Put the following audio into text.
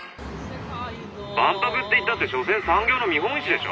「万博っていったってしょせん産業の見本市でしょ。